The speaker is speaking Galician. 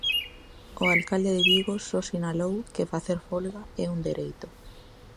O alcalde de Vigo só sinalou que facer folga é un dereito.